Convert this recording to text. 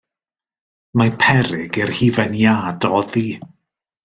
Mae peryg i'r hufen iâ doddi.